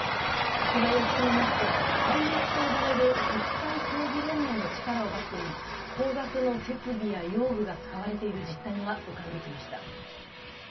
取材を進めますと、ＩＦと呼ばれる国際競技連盟の力をバックに高額の設備や用具が使われている実態が浮かんできました。